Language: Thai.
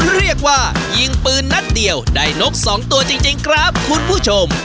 เรียกว่ายิงปืนนัดเดียวได้นกสองตัวจริงครับคุณผู้ชม